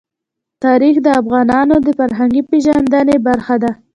تاریخ د افغانانو د فرهنګي پیژندنې برخه ده.